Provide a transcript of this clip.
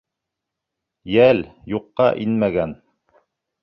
Йәл, юҡҡа инмәгән.